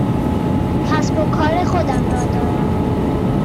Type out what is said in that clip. کسب و کار خودم را دارم.